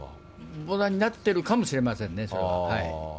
防弾になってるかもしれませんね、それは。